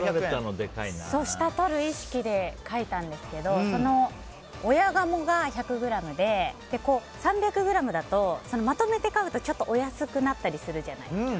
下をとる意識で書いたんですけどその親鴨が１００ｇで３００ｇだとまとめて買うとお安くなったりするじゃないですか。